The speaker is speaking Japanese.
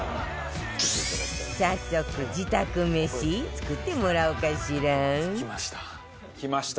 早速自宅めし作ってもらおうかしら